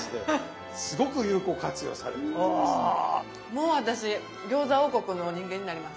もう私餃子王国の人間になります。